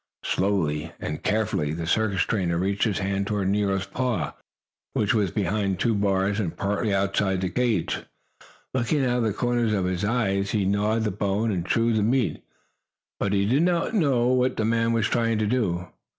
Slowly and carefully the circus trainer reached his hand toward Nero's paw, which was between two bars and partly outside the cage. Nero, looking out of the corners of his eyes as he gnawed the bone and chewed the meat, did not know what the man was trying to do.